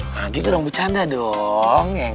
nah gitu dong bu canda dong